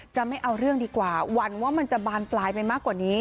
ไม่เอาเรื่องดีกว่าหวั่นว่ามันจะบานปลายไปมากกว่านี้